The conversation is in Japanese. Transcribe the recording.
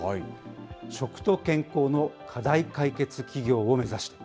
食と健康の課題解決企業を目指して。